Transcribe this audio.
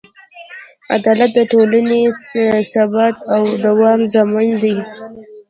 عدالت د ټولنې د ثبات او دوام ضامن دی.